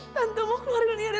sudah waktunya ayo kita keluar